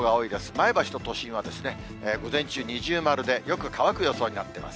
前橋と都心は午前中二重丸で、よく乾く予想になっています。